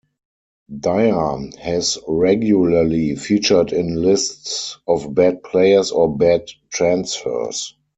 Dia has regularly featured in lists of bad players or bad transfers.